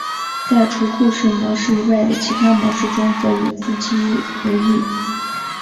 在除故事模式外的其他模式中则与自机无异。